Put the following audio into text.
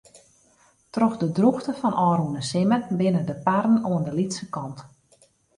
Troch de drûchte fan ôfrûne simmer binne de parren oan de lytse kant.